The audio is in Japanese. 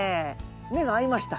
目が合いました。